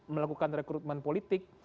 melakukan rekrutmen politik